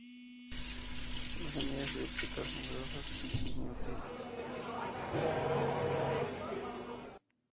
Las semillas elípticas, numerosas y diminutas.